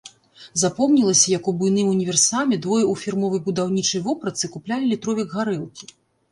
Запомнілася, як у буйным універсаме двое ў фірмовай будаўнічай вопратцы куплялі літровік гарэлкі.